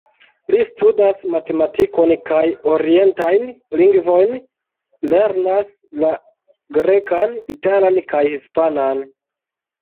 Li studas matematikon kaj orientajn lingvojn, lernas la grekan, italan kaj hispanan.